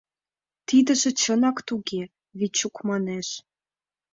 — Тидыже чынак туге, — Вечук манеш.